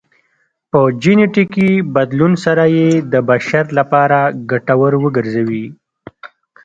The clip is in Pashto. په جنیټیکي بدلون سره یې د بشر لپاره ګټور وګرځوي